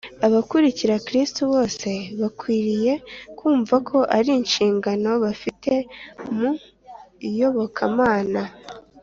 abakurikira kristo bose bakwiriye kumva ko ari inshingano bafite mu iyobokamana,